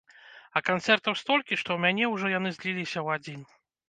А канцэртаў столькі, што ў мяне ўжо яны зліліся ў адзін.